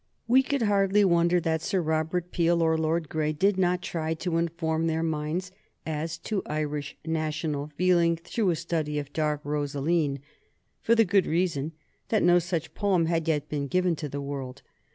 We could hardly wonder that Sir Robert Peel or Lord Grey did not try to inform their minds as to Irish national feeling through a study of "Dark Rosaleen," for the good reason that no such poem had yet been given to the world.